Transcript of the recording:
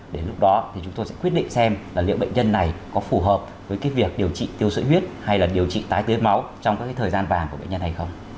đến lúc đó thì chúng tôi sẽ quyết định xem là liệu bệnh nhân này có phù hợp với cái việc điều trị tiêu sữa huyết hay là điều trị tái tế máu trong các cái thời gian vàng của bệnh nhân này không